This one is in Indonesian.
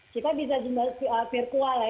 kita bisa virtual ya